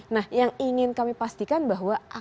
nah yang ingin kami pastikan bahwa